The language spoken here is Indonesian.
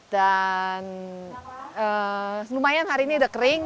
dan lumayan hari ini udah kering